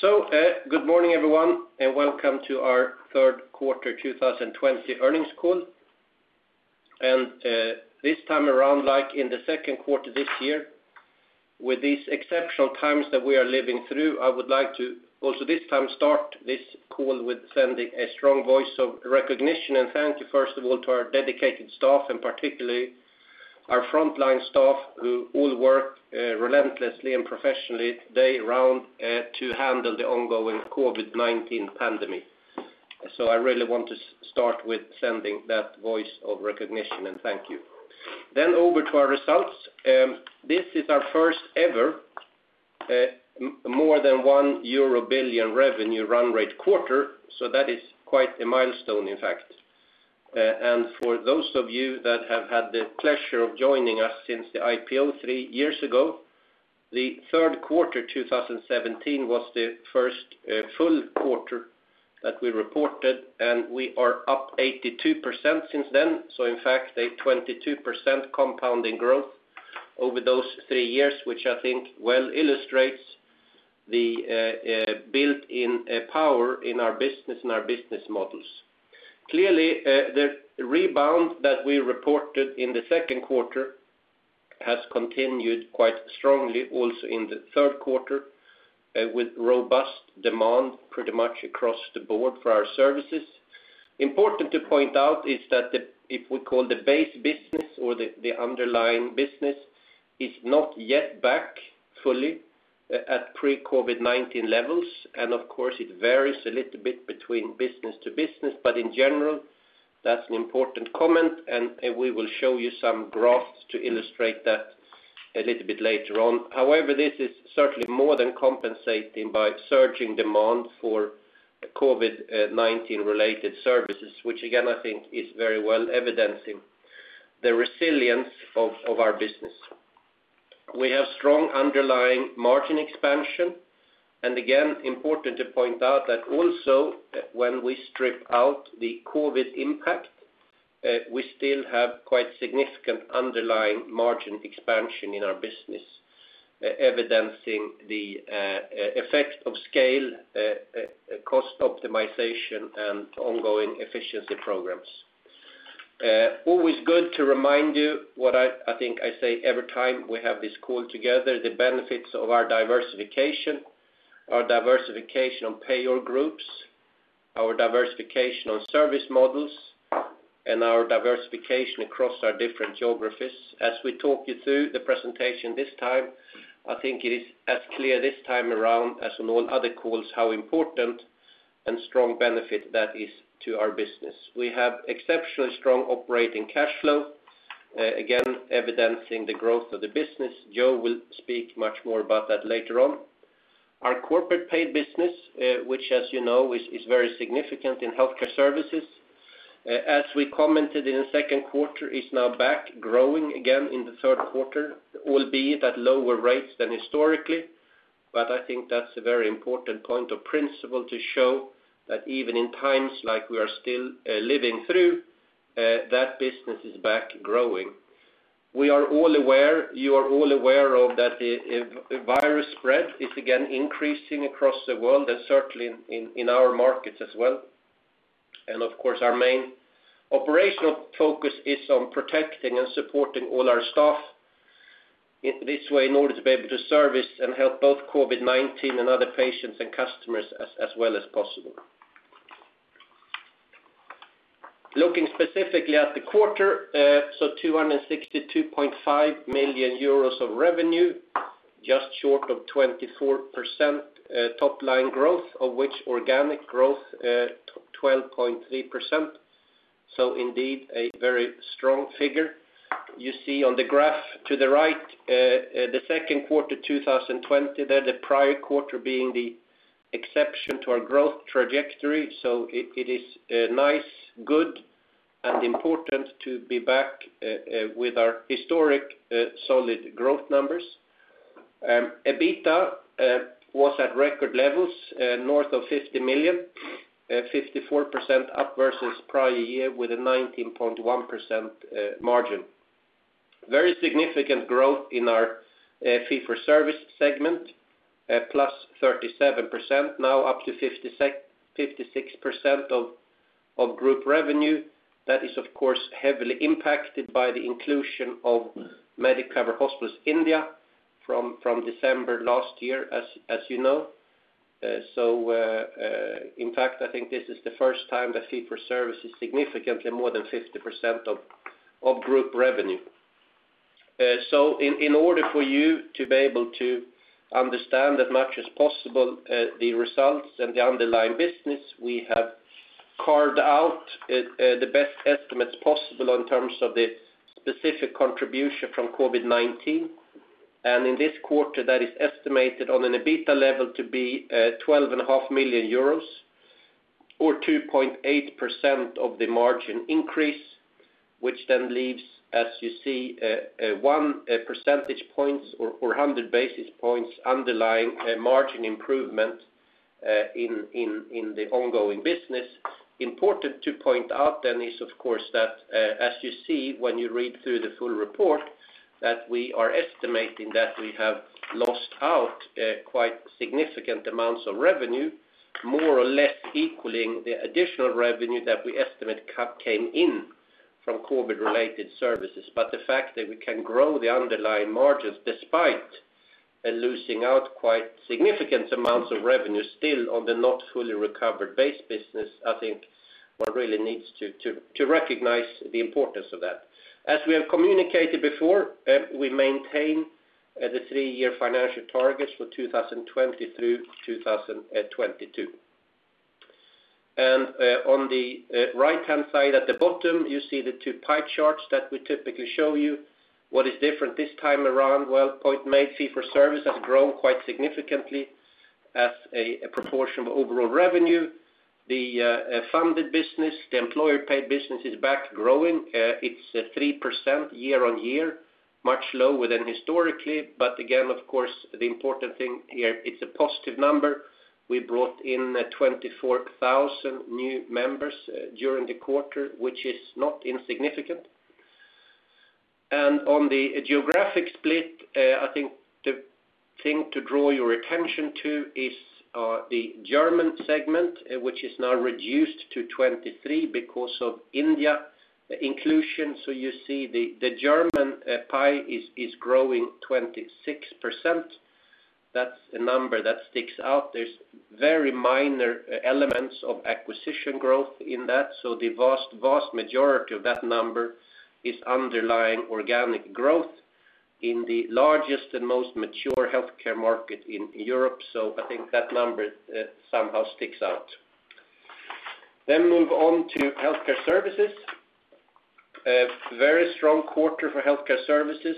Good morning, everyone, and welcome to our third quarter 2020 earnings call. This time around, like in the second quarter this year, with these exceptional times that we are living through, I would like to also this time start this call with sending a strong voice of recognition and thank you, first of all, to our dedicated staff and particularly our frontline staff, who all work relentlessly and professionally day round to handle the ongoing COVID-19 pandemic. I really want to start with sending that voice of recognition and thank you. Over to our results. This is our first ever more than 1 billion euro revenue run rate quarter, so that is quite a milestone, in fact. For those of you that have had the pleasure of joining us since the IPO three years ago, the third quarter 2017 was the first full quarter that we reported, and we are up 82% since then. In fact, a 22% compound in growth over those three years, which I think well illustrates the built-in power in our business and our business models. Clearly, the rebound that we reported in the second quarter has continued quite strongly also in the third quarter, with robust demand pretty much across the board for our services. Important to point out is that if we call the base business or the underlying business is not yet back fully at pre-COVID-19 levels. Of course, it varies a little bit between business to business, but in general, that's an important comment, and we will show you some graphs to illustrate that a little bit later on. However, this is certainly more than compensating by surging demand for COVID-19-related services, which again, I think is very well evidencing the resilience of our business. We have strong underlying margin expansion, and again, important to point out that also when we strip out the COVID impact, we still have quite significant underlying margin expansion in our business, evidencing the effect of scale, cost optimization, and ongoing efficiency programs. Always good to remind you what I think I say every time we have this call together, the benefits of our diversification. Our diversification on payer groups, our diversification on service models, and our diversification across our different geographies. As we talk you through the presentation this time, I think it is as clear this time around as on all other calls, how important and strong benefit that is to our business. We have exceptionally strong operating cash flow, again, evidencing the growth of the business. Joe will speak much more about that later on. Our corporate paid business, which as you know, is very significant in Healthcare Services, as we commented in the second quarter, is now back growing again in the third quarter, albeit at lower rates than historically. I think that's a very important point of principle to show that even in times like we are still living through, that business is back growing. We are all aware, you are all aware of that the virus spread is again increasing across the world and certainly in our markets as well. Of course, our main operational focus is on protecting and supporting all our staff in this way in order to be able to service and help both COVID-19 and other patients and customers as well as possible. Looking specifically at the quarter, 262.5 million euros of revenue, just short of 24% top-line growth, of which organic growth 12.3%. Indeed a very strong figure. You see on the graph to the right, the second quarter 2020 there, the prior quarter being the exception to our growth trajectory. It is nice, good, and important to be back with our historic solid growth numbers. EBITA was at record levels, north of 50 million, 54% up versus prior year with a 19.1% margin. Very significant growth in our fee for service segment, plus 37%, now up to 56% of group revenue. That is, of course, heavily impacted by the inclusion of Medicover Hospitals India from December last year, as you know. In fact, I think this is the first time that fee for service is significantly more than 50% of group revenue. In order for you to be able to understand as much as possible the results and the underlying business, we have carved out the best estimates possible in terms of the specific contribution from COVID-19. In this quarter, that is estimated on an EBITDA level to be 12.5 million euros or 2.8% of the margin increase, which leaves, as you see, one percentage points or 100 basis points underlying margin improvement. In the ongoing business, important to point out is, of course, that as you see when you read through the full report, that we are estimating that we have lost out quite significant amounts of revenue, more or less equaling the additional revenue that we estimate came in from COVID-related services. The fact that we can grow the underlying margins despite losing out quite significant amounts of revenue still on the not fully recovered base business, I think one really needs to recognize the importance of that. As we have communicated before, we maintain the three-year financial targets for 2020 through 2022. On the right-hand side at the bottom, you see the two pie charts that we typically show you. What is different this time around? Well, point made, fee for service has grown quite significantly as a proportion of overall revenue. The funded business, the employer-paid business is back growing. It's 3% year-over-year, much lower than historically. Again, of course, the important thing here, it's a positive number. We brought in 24,000 new members during the quarter, which is not insignificant. On the geographic split, I think the thing to draw your attention to is the German segment, which is now reduced to 23 because of India inclusion. You see the German pie is growing 26%. That's a number that sticks out. There's very minor elements of acquisition growth in that. The vast majority of that number is underlying organic growth in the largest and most mature healthcare market in Europe. I think that number somehow sticks out. Move on to Healthcare Services. A very strong quarter for Healthcare Services.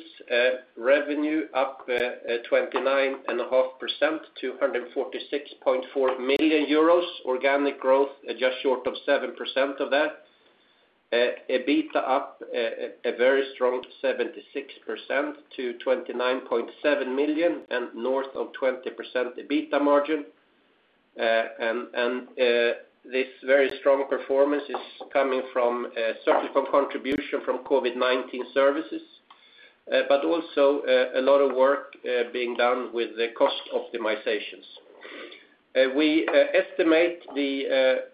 Revenue up 29.5% to 146.4 million euros. Organic growth, just short of 7% of that. EBITDA up a very strong 76% to 29.7 million and north of 20% EBITDA margin. This very strong performance is coming certainly from contribution from COVID-19 services, but also a lot of work being done with the cost optimizations. We estimate the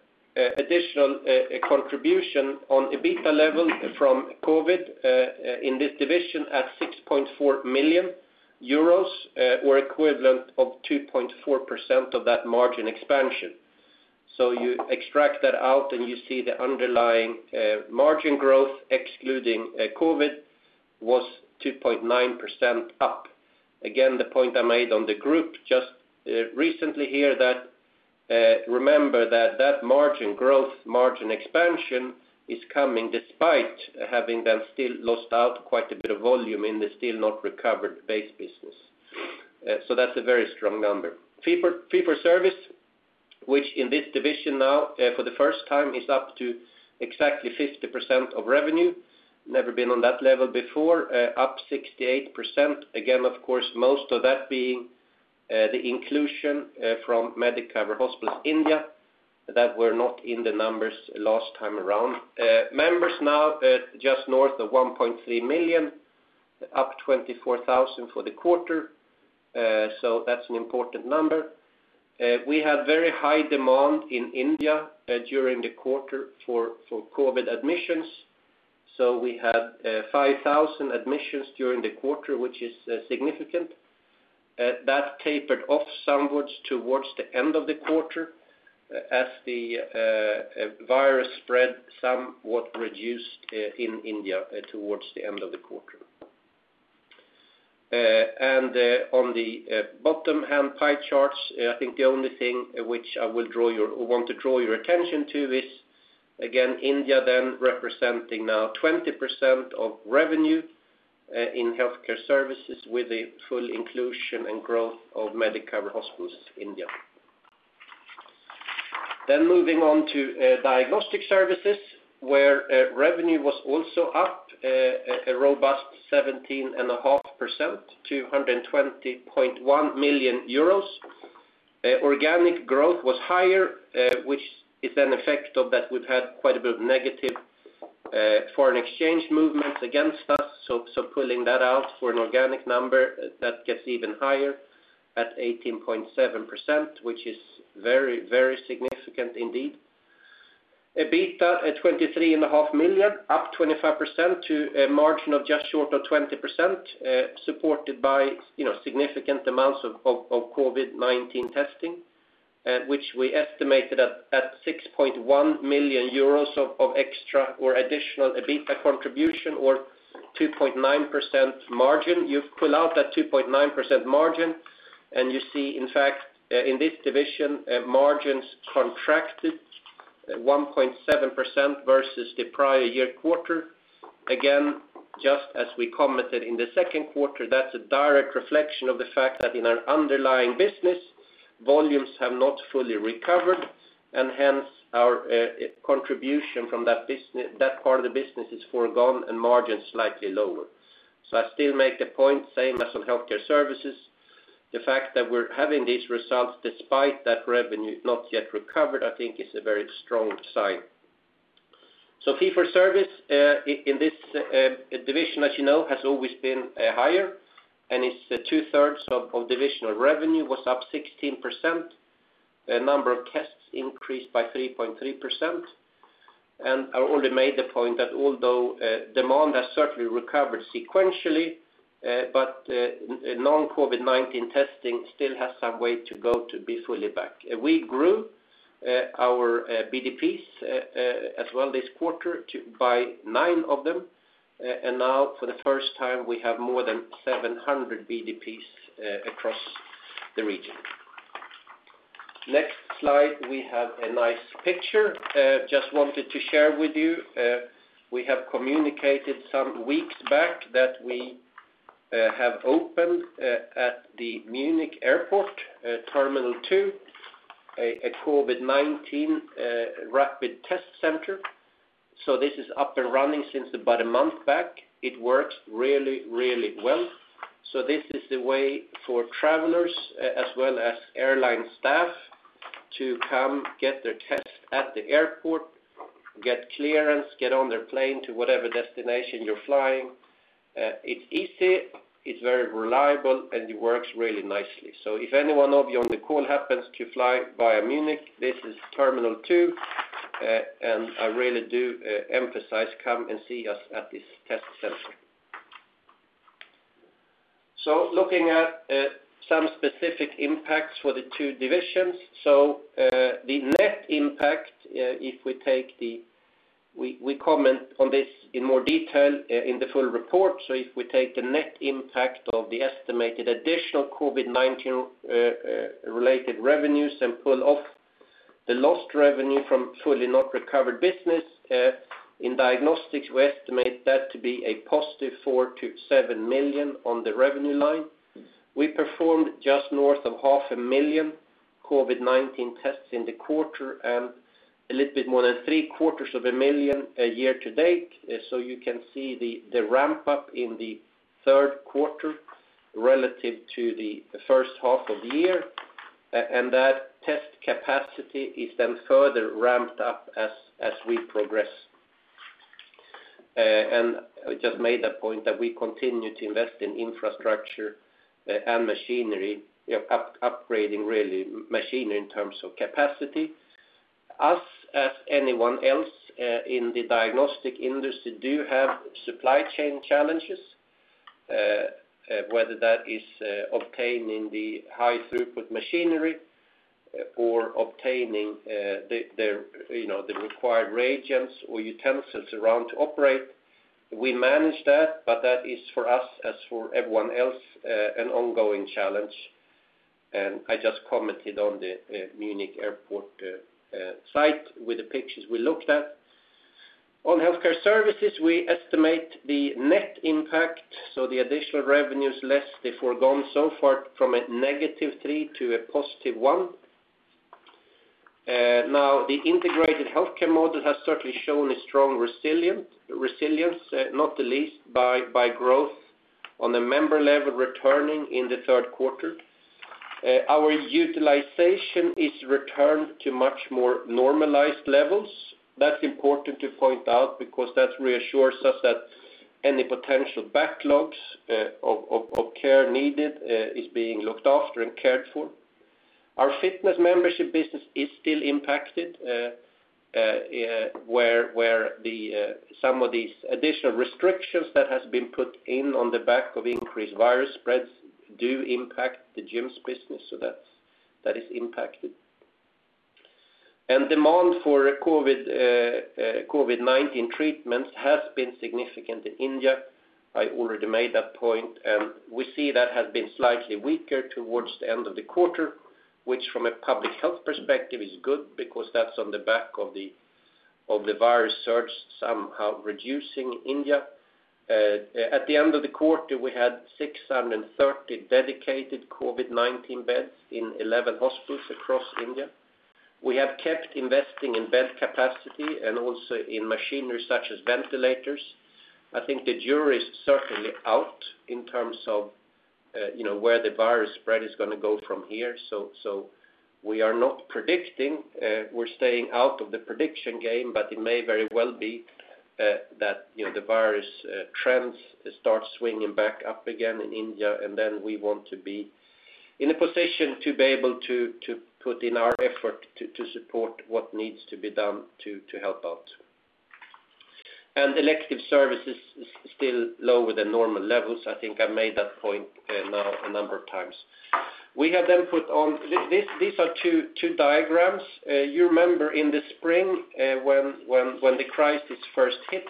additional contribution on EBITDA levels from COVID in this division at 6.4 million euros or equivalent of 2.4% of that margin expansion. You extract that out and you see the underlying margin growth excluding COVID was 2.9% up. The point I made on the group just recently here that remember that margin growth, margin expansion is coming despite having then still lost out quite a bit of volume in the still not recovered base business. That's a very strong number. Fee for service, which in this division now for the first time is up to exactly 50% of revenue. Never been on that level before, up 68%. Of course, most of that being the inclusion from Medicover Hospitals India that were not in the numbers last time around. Members now at just north of 1.3 million, up 24,000 for the quarter. That's an important number. We had very high demand in India during the quarter for COVID admissions. We had 5,000 admissions during the quarter, which is significant. That tapered off somewhat towards the end of the quarter as the virus spread somewhat reduced in India towards the end of the quarter. On the bottom half pie charts, I think the only thing which I want to draw your attention to is, again, India then representing now 20% of revenue in Healthcare Services with the full inclusion and growth of Medicover Hospitals India. Moving on to Diagnostic Services, where revenue was also up a robust 17.5% to 120.1 million euros. Organic growth was higher, which is an effect of that we've had quite a bit of negative foreign exchange movements against us. Pulling that out for an organic number, that gets even higher at 18.7%, which is very significant indeed. EBITDA at 23.5 million, up 25% to a margin of just short of 20%, supported by significant amounts of COVID-19 testing, which we estimated at 6.1 million euros of extra or additional EBITDA contribution or 2.9% margin. You pull out that 2.9% margin and you see, in fact, in this division, margins contracted 1.7% versus the prior year quarter. Again, just as we commented in the second quarter, that's a direct reflection of the fact that in our underlying business, volumes have not fully recovered, and hence our contribution from that part of the business is foregone and margin is slightly lower. I still make the point, same as on Healthcare Services, the fact that we're having these results despite that revenue not yet recovered, I think is a very strong sign. Fee for service in this division, as you know, has always been higher, and it's two thirds of divisional revenue, was up 16%. Number of tests increased by 3.3%. I already made the point that although demand has certainly recovered sequentially, but non-COVID-19 testing still has some way to go to be fully back. We grew our BDPs as well this quarter by nine of them. Now for the first time, we have more than 700 BDPs across the region. Next slide, we have a nice picture. Just wanted to share with you. We have communicated some weeks back that we have opened at the Munich Airport, terminal 2, a COVID-19 rapid test center. This is up and running since about a month back. It works really well. This is the way for travelers as well as airline staff to come get their test at the airport, get clearance, get on their plane to whatever destination you're flying. It's easy, it's very reliable, and it works really nicely. If any one of you on the call happens to fly via Munich, this is terminal 2. I really do emphasize, come and see us at this test center. Looking at some specific impacts for the two divisions. The net impact, we comment on this in more detail in the full report. If we take the net impact of the estimated additional COVID-19 related revenues and pull off the lost revenue from fully not recovered business, in Diagnostic Services, we estimate that to be a positive 4 million to 7 million on the revenue line. We performed just north of half a million COVID-19 tests in the quarter and a little bit more than three quarters of a million year to date. You can see the ramp up in the third quarter relative to the first half of the year. That test capacity is then further ramped up as we progress. I just made that point that we continue to invest in infrastructure and machinery, upgrading really machinery in terms of capacity. Us, as anyone else in the diagnostic industry, do have supply chain challenges, whether that is obtaining the high throughput machinery or obtaining the required reagents or utensils around to operate. We manage that, but that is for us, as for everyone else, an ongoing challenge. I just commented on the Munich Airport site with the pictures we looked at. On Healthcare Services, we estimate the net impact, so the additional revenues less the foregone so far from a -3 to a +1. The integrated healthcare model has certainly shown a strong resilience, not the least by growth on the member level returning in the third quarter. Our utilization is returned to much more normalized levels. That's important to point out because that reassures us that any potential backlogs of care needed is being looked after and cared for. Our fitness membership business is still impacted, where some of these additional restrictions that has been put in on the back of increased virus spreads do impact the gym's business. That is impacted. Demand for COVID-19 treatments has been significant in India. I already made that point, and we see that has been slightly weaker towards the end of the quarter, which from a public health perspective is good because that's on the back of the virus surge somehow reducing India. At the end of the quarter, we had 630 dedicated COVID-19 beds in 11 hospitals across India. We have kept investing in bed capacity and also in machinery such as ventilators. I think the jury is certainly out in terms of where the virus spread is going to go from here. We are not predicting. We're staying out of the prediction game, but it may very well be that the virus trends start swinging back up again in India, and then we want to be in a position to be able to put in our effort to support what needs to be done to help out. Elective services is still lower than normal levels. I think I made that point now a number of times. These are two diagrams. You remember in the spring when the crisis first hit,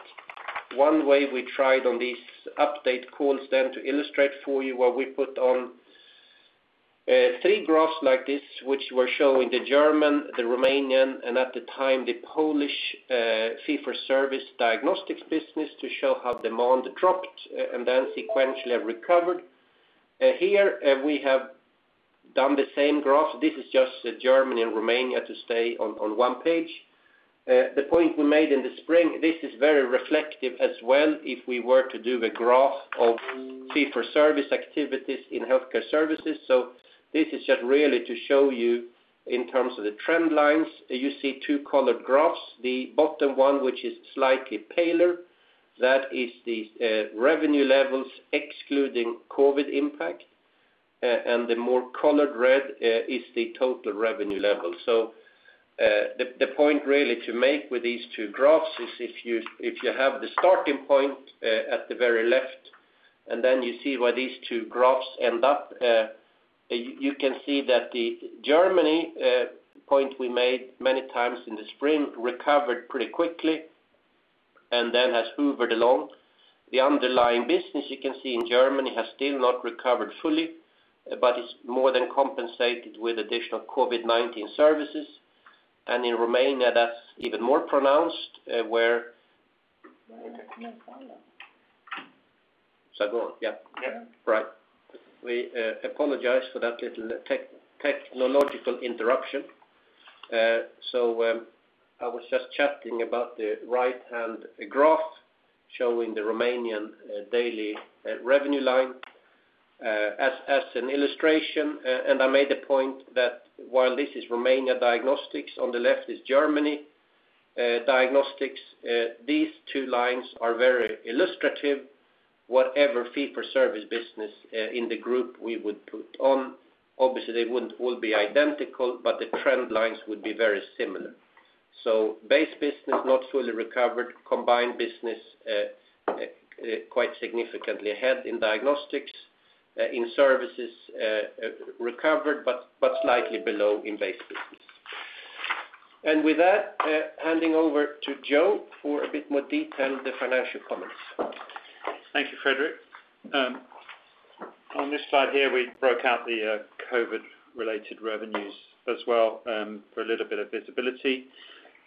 one way we tried on these update calls then to illustrate for you where we put on three graphs like this, which were showing the German, the Romanian, and at the time, the Polish fee for service diagnostics business to show how demand dropped and then sequentially recovered. Here, we have done the same graph. This is just Germany and Romania to stay on one page. The point we made in the spring, this is very reflective as well, if we were to do the graph of fee for service activities in Healthcare Services. This is just really to show you in terms of the trend lines. You see two colored graphs, the bottom one, which is slightly paler, that is the revenue levels excluding COVID impact. The more colored red is the total revenue level. The point really to make with these two graphs is if you have the starting point at the very left, and then you see where these two graphs end up, you can see that the Germany point we made many times in the spring recovered pretty quickly and then has hoovered along. The underlying business, you can see in Germany, has still not recovered fully, but it's more than compensated with additional COVID-19 services. In Romania, that's even more pronounced. Shall I go on? Yeah. Yeah. Right. We apologize for that little technological interruption. I was just chatting about the right-hand graph showing the Romanian daily revenue line as an illustration. I made a point that while this is Romania diagnostics, on the left is Germany diagnostics. These two lines are very illustrative. Whatever fee for service business in the group we would put on, obviously they wouldn't all be identical, but the trend lines would be very similar. Base business not fully recovered, combined business quite significantly ahead in diagnostics. In services, recovered, but slightly below in base business. With that, handing over to Joe for a bit more detail of the financial comments. Thank you, Fredrik. On this slide here, we broke out the COVID related revenues as well for a little bit of visibility.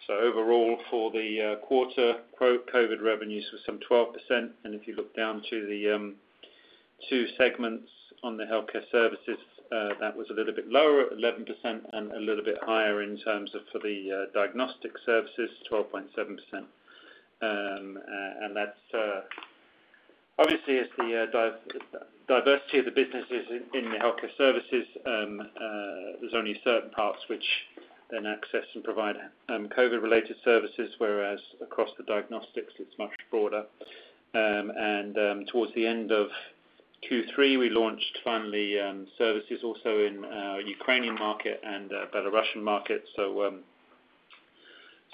Overall, for the quarter, COVID revenues were some 12%. If you look down to the two segments on the Healthcare Services, that was a little bit lower at 11% and a little bit higher in terms of for the Diagnostic Services, 12.7%. Obviously as the diversity of the businesses in the Healthcare Services, there's only certain parts which then access and provide COVID related services, whereas across the diagnostics it's much broader. Towards the end of Q3 we launched finally services also in Ukrainian market and Belarusian market, so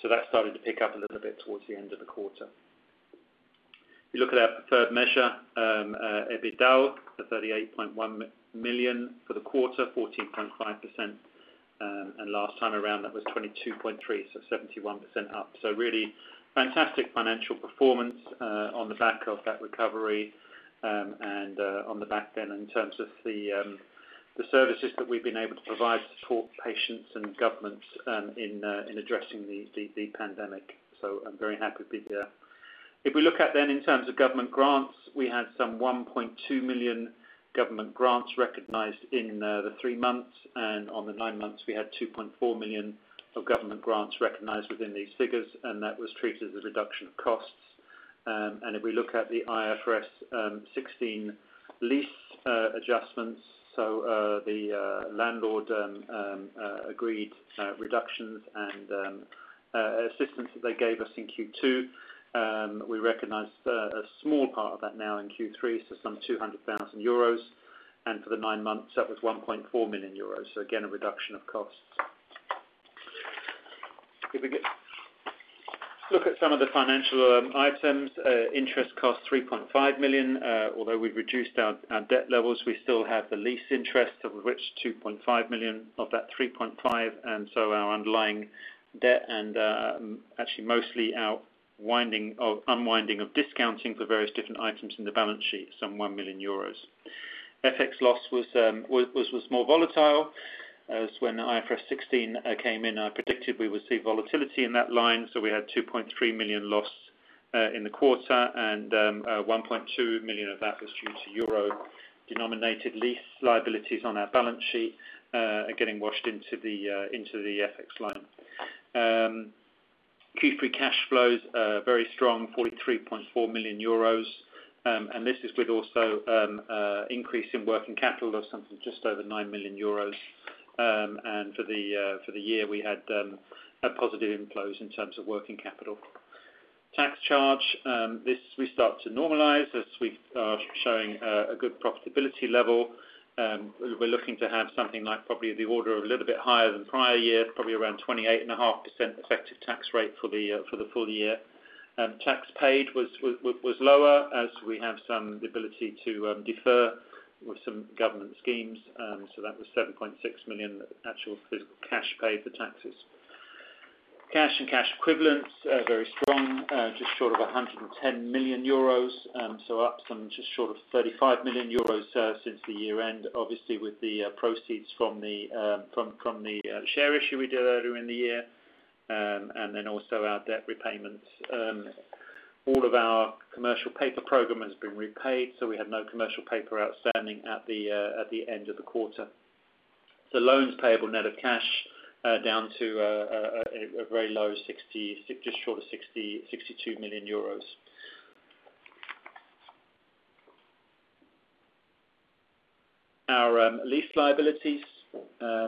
that started to pick up a little bit towards the end of the quarter. If you look at our preferred measure, EBITDA, the 38.1 million for the quarter, 14.5%. Last time around that was 22.3 million, 71% up. Really fantastic financial performance on the back of that recovery, and on the back end in terms of the services that we've been able to provide to support patients and governments in addressing the pandemic. I'm very happy with it there. If we look at in terms of government grants, we had some 1.2 million government grants recognized in the three months. On the nine months we had 2.4 million of government grants recognized within these figures, that was treated as a reduction of costs. If we look at the IFRS 16 lease adjustments, the landlord agreed reductions and assistance that they gave us in Q2, we recognized a small part of that now in Q3. Some 200,000 euros, and for the nine months, that was 1.4 million euros. Again, a reduction of costs. If we look at some of the financial items, interest cost 3.5 million. Although we've reduced our net debt levels, we still have the lease interest, of which 2.5 million of that 3.5 million, and so our underlying debt and actually mostly our unwinding of discounting for various different items in the balance sheet, some 1 million euros. FX loss was more volatile, as when IFRS 16 came in, I predicted we would see volatility in that line. We had 2.3 million loss in the quarter, and 1.2 million of that was due to EUR-denominated lease liabilities on our balance sheet getting washed into the FX line. Q3 cash flows very strong, 43.4 million euros. This is with also increase in working capital of something just over 9 million euros. For the year we had positive inflows in terms of working capital. Tax charge. This we start to normalize as we are showing a good profitability level. We're looking to have something like probably the order of a little bit higher than prior year, probably around 28.5% effective tax rate for the full year. Tax paid was lower as we have some ability to defer with some government schemes. That was 7.6 million actual physical cash paid for taxes. Cash and cash equivalents very strong. Just short of 110 million euros. Up some just short of 35 million euros since the year-end, obviously with the proceeds from the share issue we did earlier in the year. Then also our debt repayments. All of our commercial paper program has been repaid, so we have no commercial paper outstanding at the end of the quarter. Loans payable net of cash are down to a very low, just short of EUR 62 million. Our lease liabilities,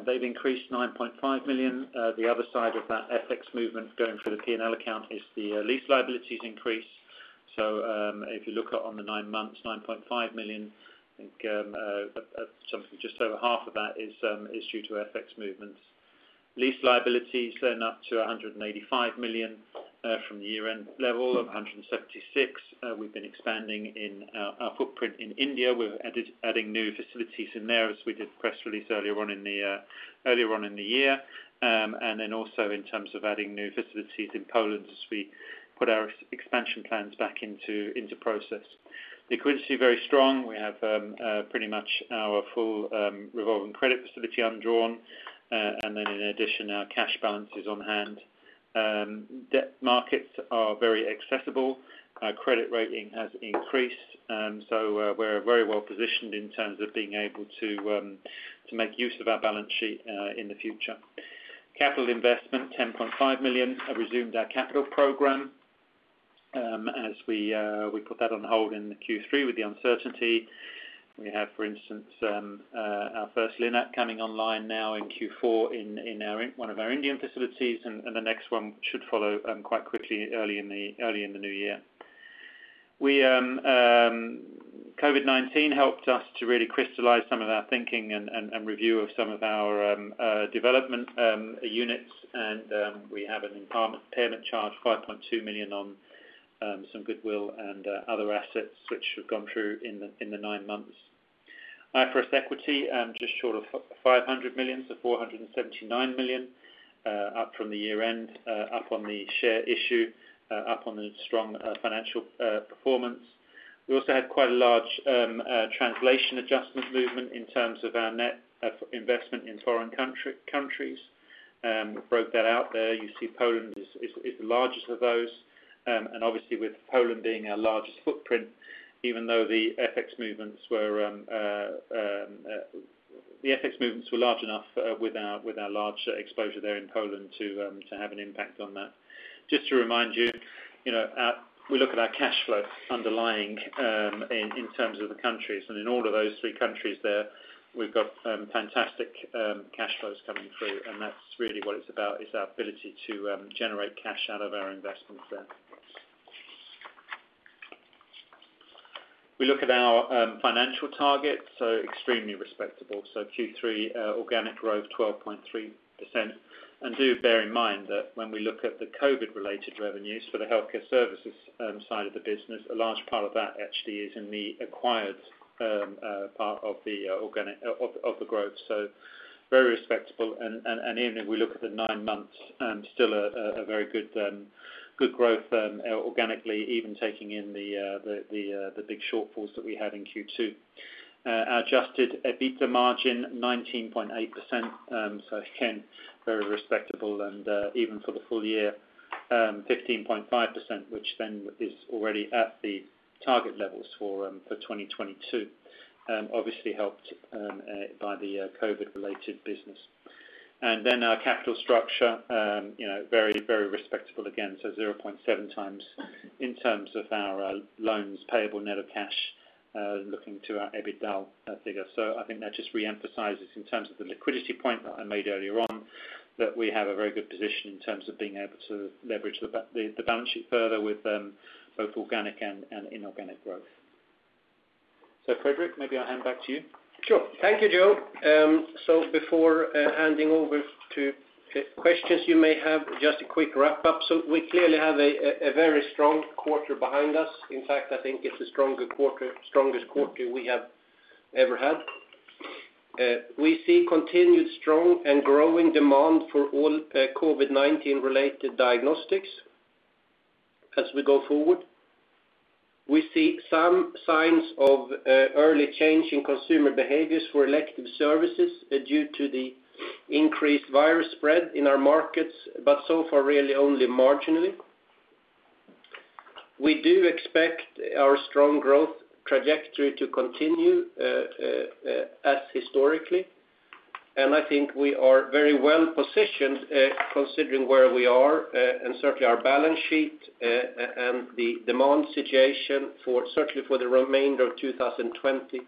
they've increased 9.5 million. The other side of that FX movement going through the P&L account is the lease liabilities increase. If you look at on the nine months, 9.5 million, I think just over half of that is due to FX movements. Lease liabilities up to 185 million from the year-end level of 176 million. We've been expanding our footprint in India. We're adding new facilities in there as we did press release earlier on in the year. Also in terms of adding new facilities in Poland as we put our expansion plans back into process. Liquidity, very strong. We have pretty much our full revolving credit facility undrawn. In addition, our cash balances on hand. Debt markets are very accessible. Our credit rating has increased. We're very well positioned in terms of being able to make use of our balance sheet in the future. Capital investment, 10.5 million. We have resumed our capital program. We put that on hold in the Q3 with the uncertainty. We have, for instance, our first LINAC coming online now in Q4 in one of our Indian facilities, and the next one should follow quite quickly early in the new year. COVID-19 helped us to really crystallize some of our thinking and review of some of our development units, and we have an impairment charge, 5.2 million on some goodwill and other assets which have gone through in the nine months. IFRS equity, just short of 500 million. 479 million up from the year end, up on the share issue, up on the strong financial performance. We also had quite a large translation adjustment movement in terms of our net investment in foreign countries. We broke that out there. You see Poland is the largest of those. Obviously with Poland being our largest footprint, even though the FX movements were large enough with our large exposure there in Poland to have an impact on that. Just to remind you, we look at our cash flow underlying in terms of the countries. In all of those three countries there, we've got fantastic cash flows coming through, and that's really what it's about, is our ability to generate cash out of our investments there. We look at our financial targets, extremely respectable. Q3 organic growth 12.3%. Do bear in mind that when we look at the COVID related revenues for the Healthcare Services side of the business, a large part of that actually is in the acquired part of the growth. Very respectable. Even if we look at the nine months, still a very good growth organically, even taking in the big shortfalls that we had in Q2. Adjusted EBITDA margin 19.8%, so again, very respectable. Even for the full year, 15.5%, which then is already at the target levels for 2022. Obviously helped by the COVID related business. Our capital structure, very respectable again. 0.7 times in terms of our loans payable net of cash, looking to our EBITDA figure. I think that just reemphasizes in terms of the liquidity point that I made earlier on, that we have a very good position in terms of being able to leverage the balance sheet further with both organic and inorganic growth. Fredrik, maybe I'll hand back to you. Sure. Thank you, Joe. Before handing over to questions you may have, just a quick wrap up. We clearly have a very strong quarter behind us. In fact, I think it's the strongest quarter we have ever had. We see continued strong and growing demand for all COVID-19 related diagnostics as we go forward. We see some signs of early change in consumer behaviors for elective services due to the increased virus spread in our markets, but so far, really only marginally. We do expect our strong growth trajectory to continue as historically, and I think we are very well positioned considering where we are, and certainly our balance sheet, and the demand situation certainly for the remainder of 2020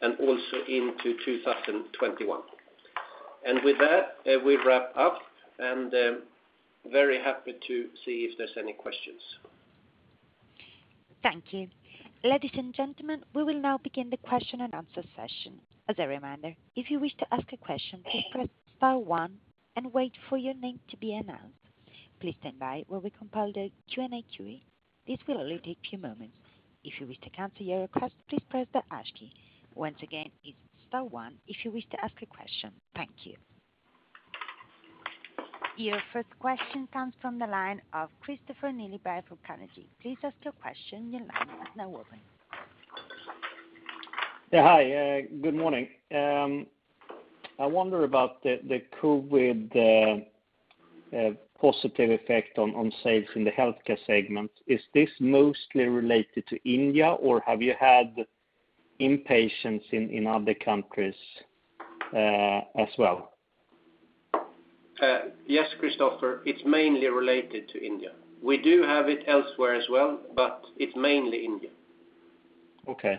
and also into 2021. With that, we wrap up, and very happy to see if there's any questions. Thank you. Ladies and gentlemen, we will now begin the question and answer session. As a reminder, if you wish to ask a question, please press star one and wait for your name to be announced. If you wish to cancel your request, please press the hash key. Once again, it's star one if you wish to ask a question. Thank you. Your first question comes from the line of Christopher Neeley Barr from Carnegie. Please ask your question. Your line is now open Yeah. Hi, good morning. I wonder about the COVID positive effect on sales in the Healthcare Services. Is this mostly related to India, or have you had inpatients in other countries as well? Yes, Christopher, it's mainly related to India. We do have it elsewhere as well, but it's mainly India. Okay.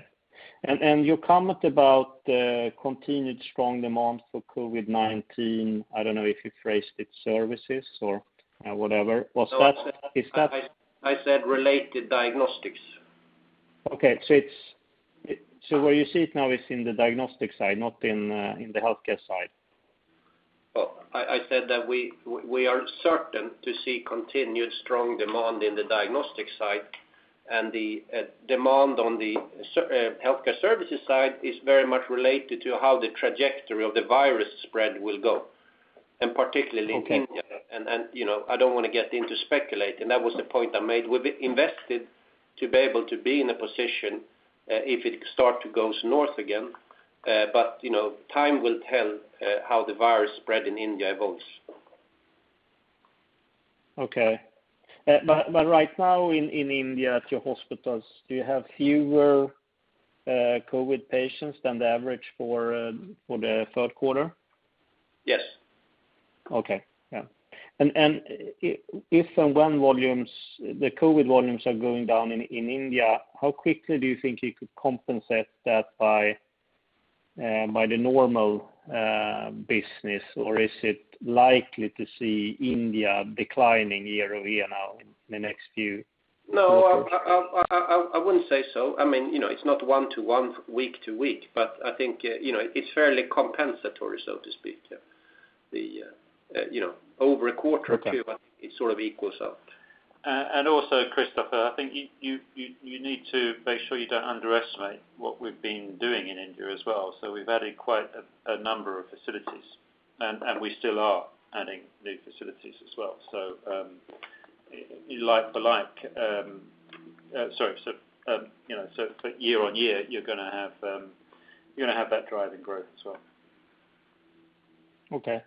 Your comment about the continued strong demand for COVID-19, I don't know if you phrased it services or whatever. No. Is that- I said related diagnostics. Okay, where you see it now is in the Diagnostic side, not in the Healthcare side? Well, I said that we are certain to see continued strong demand in the Diagnostic side, and the demand on the Healthcare Services side is very much related to how the trajectory of the virus spread will go, and particularly in India. Okay. I don't want to get into speculating. That was the point I made. We've invested to be able to be in a position, if it start to goes north again. Time will tell how the virus spread in India evolves. Okay. Right now in India at your hospitals, do you have fewer COVID-19 patients than the average for the third quarter? Yes. Okay. Yeah. If the COVID volumes are going down in India, how quickly do you think you could compensate that by the normal business, or is it likely to see India declining year-over-year now in the next few quarters? No, I wouldn't say so. It's not one to one, week to week, but I think it's fairly compensatory, so to speak. Yeah. Over a quarter or two. Okay It sort of equals out. Also, Christopher, I think you need to make sure you don't underestimate what we've been doing in India as well. We've added quite a number of facilities, and we still are adding new facilities as well. Year-on-year, you're going to have that driving growth as well. Okay.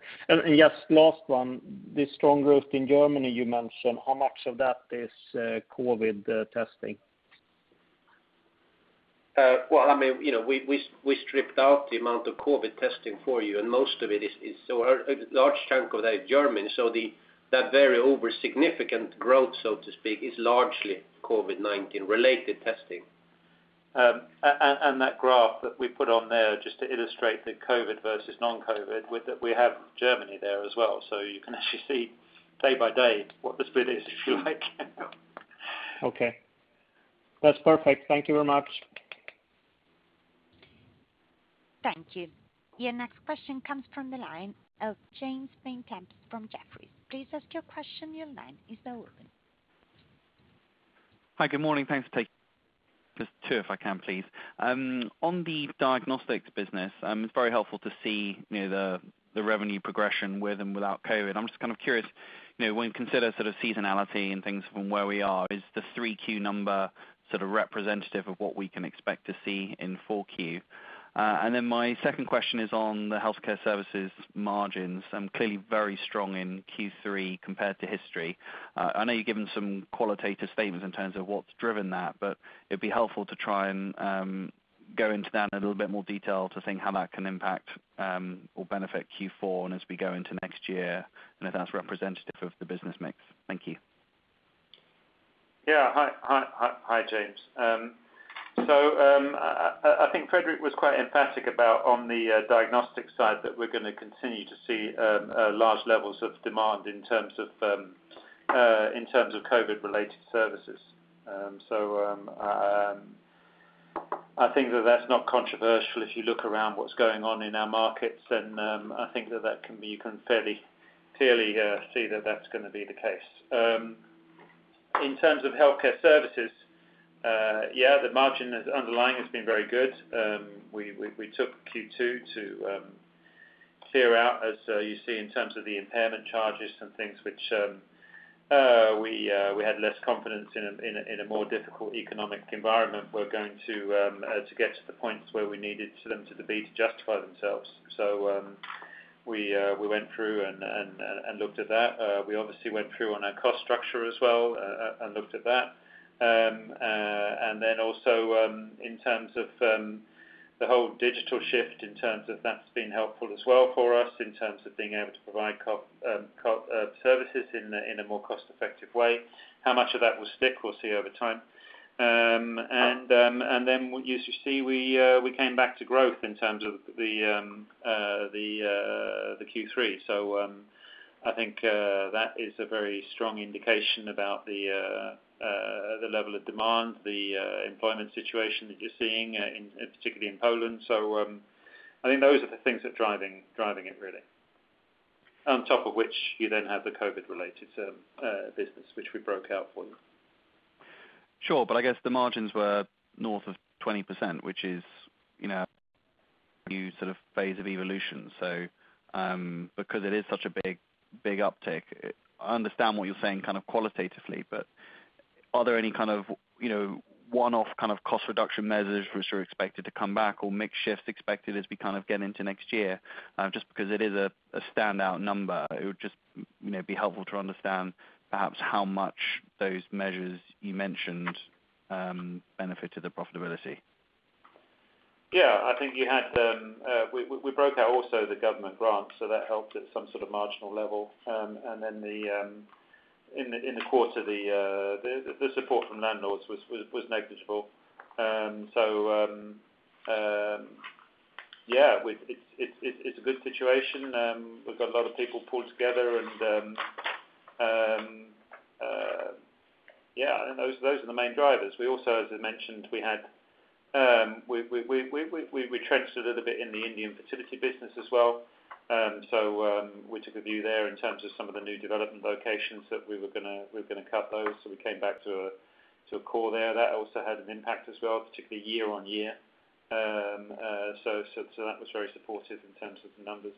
Just last one. The strong growth in Germany, you mentioned, how much of that is COVID testing? Well, we stripped out the amount of COVID-19 testing for you. A large chunk of that is Germany, that very over significant growth, so to speak, is largely COVID-19 related testing. That graph that we put on there, just to illustrate the COVID versus non-COVID, we have Germany there as well. You can actually see day by day what the split is, if you like. Okay. That's perfect. Thank you very much. Thank you. Your next question comes from the line of James Vane-Tempest from Jefferies. Please ask your question. Your line is open. Hi, good morning. Thanks for taking this. Two, if I can, please. On the Diagnostic Services business, it's very helpful to see the revenue progression with and without COVID-19. I'm just kind of curious, when you consider sort of seasonality and things from where we are, is the Q3 number sort of representative of what we can expect to see in Q4? My second question is on the Healthcare Services margins, clearly very strong in Q3 compared to history. I know you've given some qualitative statements in terms of what's driven that, it'd be helpful to try and go into that in a little bit more detail to think how that can impact, or benefit Q4 as we go into next year, if that's representative of the business mix. Thank you. Hi, James. I think Fredrik was quite emphatic about on the Diagnostic Services side that we're going to continue to see large levels of demand in terms of COVID-19 related services. I think that that's not controversial if you look around what's going on in our markets, I think that you can fairly clearly see that that's going to be the case. In terms of Healthcare Services, the margin underlying has been very good. We took Q2 to clear out, as you see in terms of the impairment charges and things which we had less confidence in a more difficult economic environment were going to get to the points where we needed for them to be to justify themselves. We went through and looked at that. We obviously went through on our cost structure as well, looked at that. Also in terms of the whole digital shift in terms of that's been helpful as well for us in terms of being able to provide services in a more cost-effective way. How much of that will stick, we'll see over time. You see we came back to growth in terms of the Q3. I think that is a very strong indication about the level of demand, the employment situation that you're seeing, particularly in Poland. I think those are the things that are driving it, really. On top of which you then have the COVID-related business, which we broke out for you. Sure. I guess the margins were north of 20%, which is new phase of evolution. It is such a big uptick, I understand what you're saying qualitatively, but are there any one-off cost reduction measures which are expected to come back or mix shifts expected as we get into next year? It is a standout number, it would just be helpful to understand perhaps how much those measures you mentioned benefited the profitability. Yeah, I think we broke out also the government grants, that helped at some sort of marginal level. In the course of the support from landlords was negligible. It's a good situation. We've got a lot of people pulled together and those are the main drivers. We also, as I mentioned, we trenched a little bit in the Indian fertility business as well. We took a view there in terms of some of the new development locations that we were going to cut those. We came back to a core there that also had an impact as well, particularly year-on-year. That was very supportive in terms of the numbers.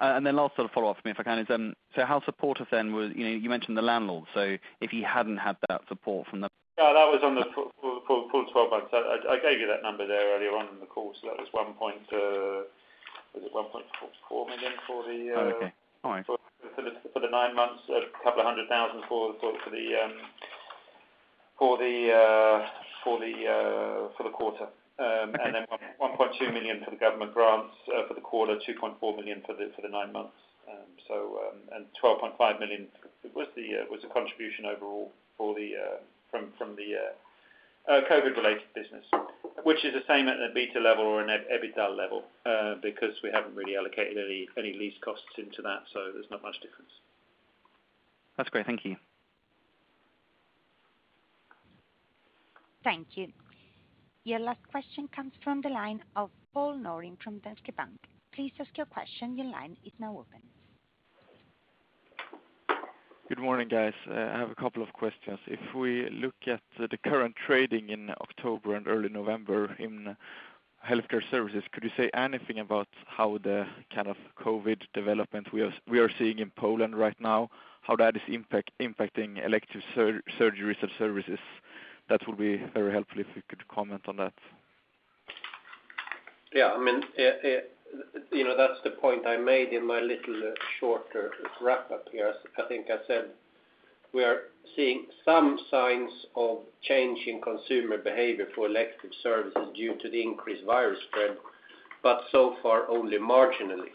Last follow-up for me, if I can. How supportive then were, you mentioned the landlord, so if you hadn't had that support from the? No, that was on the full 12 months. I gave you that number there earlier on in the call. That was 1.4 million. Oh, okay. All right. For the nine months, 200,000 for the quarter. Okay. 1.2 million for the government grants for the quarter, 2.4 million for the nine months. 12.5 million was the contribution overall from the COVID-related business, which is the same at an EBITDA level because we haven't really allocated any lease costs into that, so there's not much difference. That's great. Thank you. Thank you. Your last question comes from the line of Paul Noring from Danske Bank. Please ask your question. Your line is now open. Good morning, guys. I have a couple of questions. If we look at the current trading in October and early November in Healthcare Services, could you say anything about how the kind of COVID-19 development we are seeing in Poland right now, how that is impacting elective surgeries and services? That will be very helpful if you could comment on that. Yeah. That's the point I made in my little shorter wrap-up here. I think I said we are seeing some signs of change in consumer behavior for elective services due to the increased virus spread, but so far only marginally.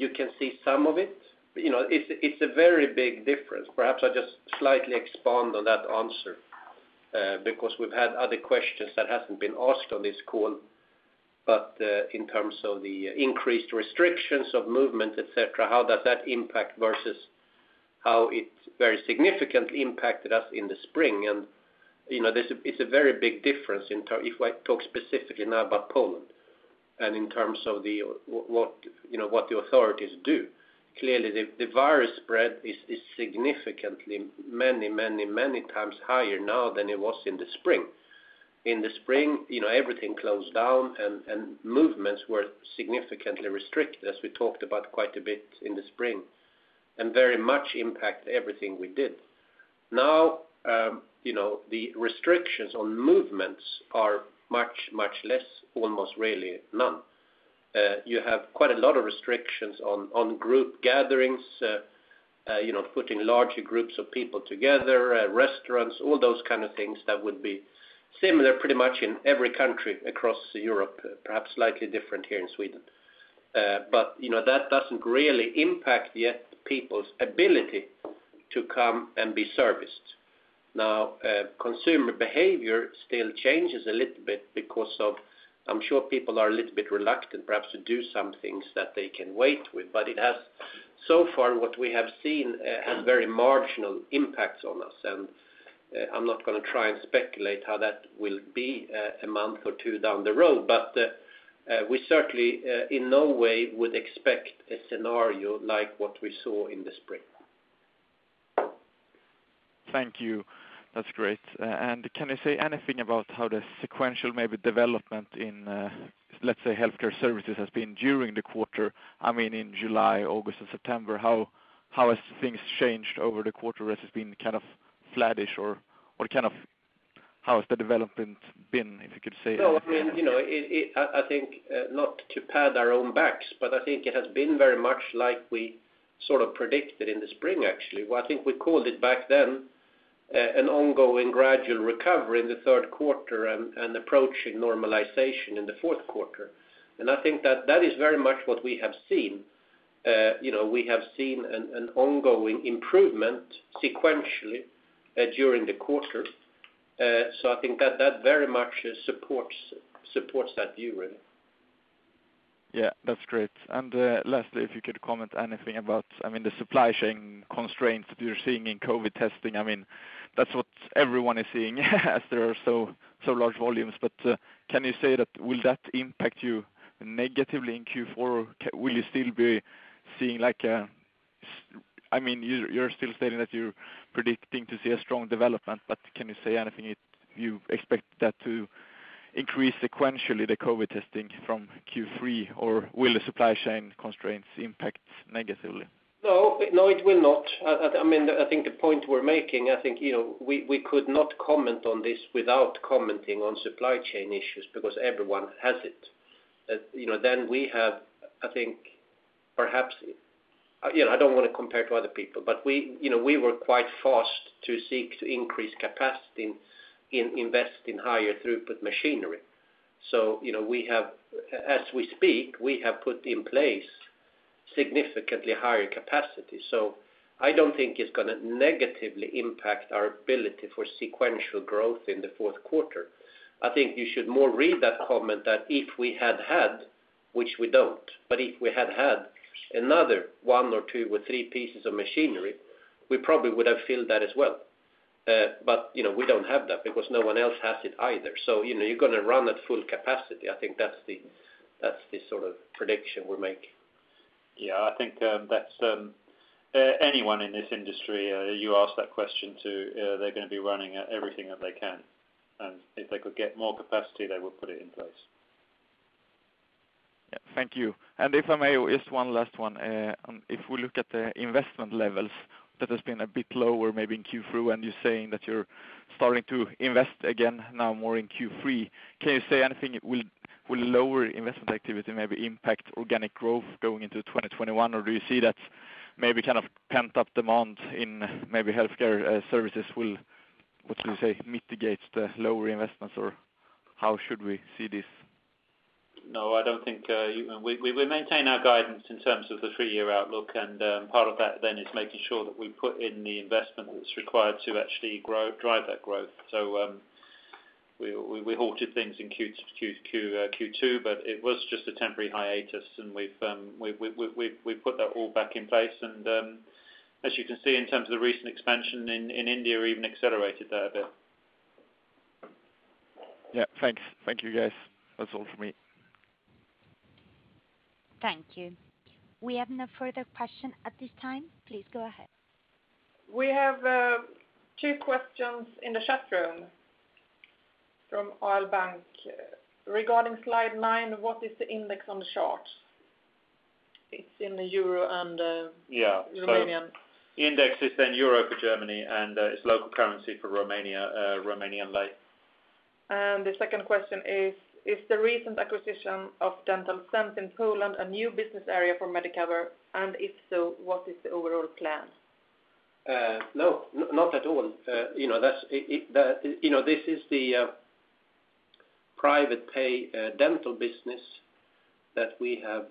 You can see some of it. It's a very big difference. Perhaps I just slightly expand on that answer because we've had other questions that hasn't been asked on this call. In terms of the increased restrictions of movement, et cetera, how does that impact versus how it very significantly impacted us in the spring? It's a very big difference if I talk specifically now about Poland and in terms of what the authorities do. Clearly the virus spread is significantly many times higher now than it was in the spring. In the spring everything closed down and movements were significantly restricted as we talked about quite a bit in the spring and very much impact everything we did. The restrictions on movements are much less, almost really none. You have quite a lot of restrictions on group gatherings, putting larger groups of people together, restaurants, all those kind of things that would be similar pretty much in every country across Europe, perhaps slightly different here in Sweden. That doesn't really impact yet people's ability to come and be serviced. Consumer behavior still changes a little bit because of I'm sure people are a little bit reluctant perhaps to do some things that they can wait with. So far what we have seen has very marginal impacts on us and I'm not going to try and speculate how that will be a month or two down the road. We certainly in no way would expect a scenario like what we saw in the spring. Thank you. That's great. Can you say anything about how the sequential maybe development in let's say Healthcare Services has been during the quarter? In July, August and September, how has things changed over the quarter versus being flattish or how has the development been if you could say? I think not to pad our own backs, but I think it has been very much like we sort of predicted in the spring actually. I think we called it back then an ongoing gradual recovery in the third quarter and approaching normalization in the fourth quarter. I think that is very much what we have seen. We have seen an ongoing improvement sequentially during the quarter. I think that very much supports that view really. Yeah. That's great. Lastly, if you could comment anything about the supply chain constraints that you're seeing in COVID-19 testing. That's what everyone is seeing as there are so large volumes. Can you say that will that impact you negatively in Q4? Will you still be seeing? You're still stating that you're predicting to see a strong development. Can you say anything? You expect that to increase sequentially, the COVID-19 testing from Q3? Will the supply chain constraints impact negatively? No, it will not. I think the point we're making, we could not comment on this without commenting on supply chain issues because everyone has it. I don't want to compare to other people, but we were quite fast to seek to increase capacity, invest in higher throughput machinery. As we speak, we have put in place significantly higher capacity. I don't think it's going to negatively impact our ability for sequential growth in the fourth quarter. I think you should more read that comment that if we had had, which we don't, but if we had had another one or two or three pieces of machinery, we probably would have filled that as well. We don't have that because no one else has it either. You're going to run at full capacity. I think that's the sort of prediction we're making. Yeah, I think that anyone in this industry you ask that question to, they're going to be running everything that they can. If they could get more capacity, they would put it in place. Yeah. Thank you. If I may, just one last one. If we look at the investment levels, that has been a bit lower maybe in Q3, and you're saying that you're starting to invest again now more in Q3. Can you say anything, will lower investment activity maybe impact organic growth going into 2021? Do you see that maybe pent-up demand in maybe Healthcare Services will, what do you say, mitigate the lower investments, or how should we see this? No. We maintain our guidance in terms of the three-year outlook, and part of that then is making sure that we put in the investment that's required to actually drive that growth. We halted things in Q2, but it was just a temporary hiatus and we've put that all back in place. As you can see in terms of the recent expansion in India, we even accelerated that a bit. Yeah. Thank you guys. That's all from me. Thank you. We have no further question at this time. Please go ahead. We have two questions in the chat room from AL Bank. Regarding slide nine, what is the index on the chart? It's in EUR and RON. Yeah. Index is in Euro for Germany, and it's local currency for Romania, Romanian lei. The second question is the recent acquisition of Dental Sense in Poland a new business area for Medicover? If so, what is the overall plan? No, not at all. This is the private pay dental business that we have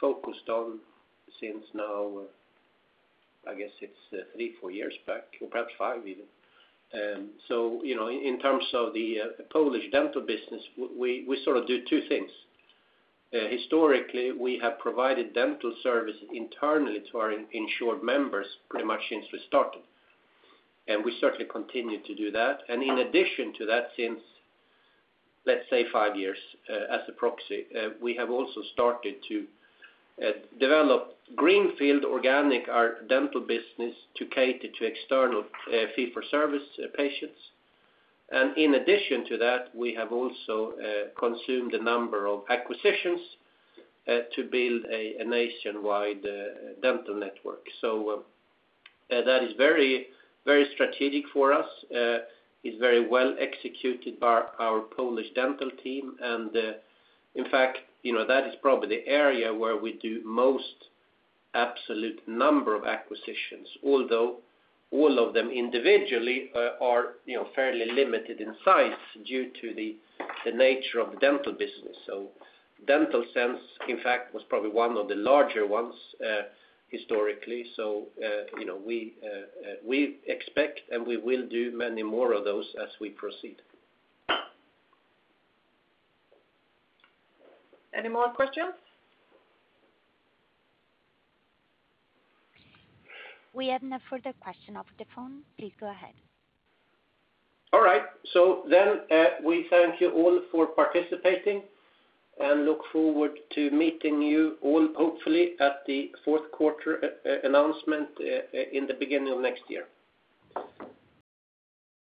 focused on since now, I guess it's three, four years back, or perhaps five even. In terms of the Polish dental business, we sort of do two things. Historically, we have provided dental service internally to our insured members pretty much since we started, and we certainly continue to do that. In addition to that, since, let's say five years, as a proxy, we have also started to develop greenfield organic, our dental business, to cater to external fee-for-service patients. In addition to that, we have also consumed a number of acquisitions to build a nationwide dental network. That is very strategic for us. It's very well executed by our Polish dental team. In fact, that is probably the area where we do most absolute number of acquisitions, although all of them individually are fairly limited in size due to the nature of the dental business. Dental Sense, in fact, was probably one of the larger ones historically. We expect and we will do many more of those as we proceed. Any more questions? We have no further question on the phone. Please go ahead. All right. We thank you all for participating and look forward to meeting you all, hopefully, at the fourth quarter announcement in the beginning of next year.